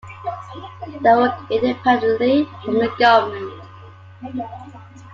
They work independently from the government.